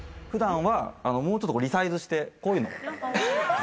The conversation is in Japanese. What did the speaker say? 普段はもうちょっとリサイズしてこういうの。